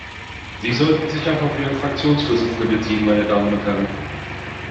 Sie sollten sich auch auf Ihren Fraktionsvorsitzenden beziehen, meine Damen und Herren.